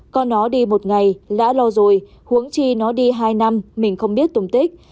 con nó đi một ngày đã lo rồi huống chi nó đi hai năm mình không biết tùng tích